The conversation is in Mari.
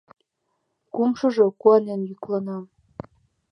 Кумшыжо куанен йӱклана.